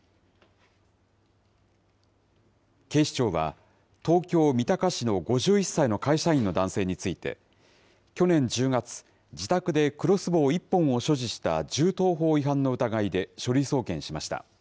警視庁は、東京・三鷹市の５１歳の会社員の男性について、去年１０月、自宅でクロスボウ１本を所持した銃刀法違反の疑いで書類送検しました。